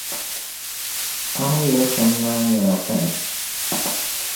A ni yɛli shɛm maa nyɛla pali.